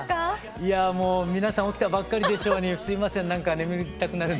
いやもう皆さん起きたばっかりでしょうにすいませんなんか眠りたくなるんで。